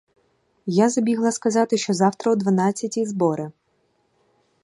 Я забігла сказати, що завтра о дванадцятій збори.